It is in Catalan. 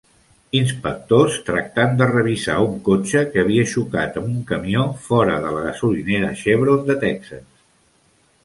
Inspectors tractant de revisar un cotxe que havia xocat amb un camió fora de la gasolinera Chevron de Texas